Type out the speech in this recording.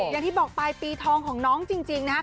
อย่างที่บอกปลายปีทองของน้องจริงนะครับ